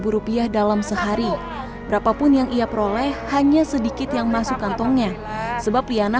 rupiah dalam sehari berapapun yang ia peroleh hanya sedikit yang masuk kantongnya sebab liana